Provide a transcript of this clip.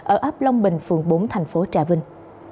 ở ấp long bình phường bốn thành phố trà vinh